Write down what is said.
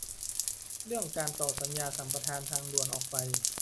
เรื่องการต่อสัญญาสัมปทานทางด่วนออกไป